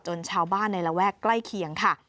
ชาวบ้านในระแวกใกล้เคียงค่ะ